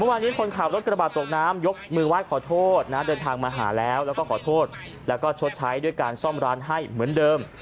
ว่าขอโทษนะเดินทางมาหาแล้วแล้วก็ขอโทษแล้วก็ชดใช้ด้วยการซ่อมร้านให้เหมือนเดิม